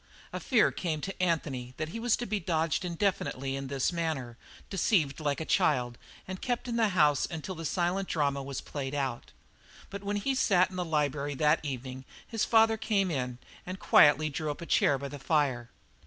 A fear came to Anthony that he was to be dodged indefinitely in this manner, deceived like a child, and kept in the house until the silent drama was played out. But when he sat in the library that evening his father came in and quietly drew up a chair by the fire.